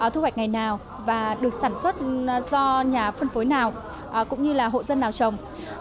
thu hoạch ngày nào và được sản xuất do nhà phân phối nào cũng như là hộ dân nào trồng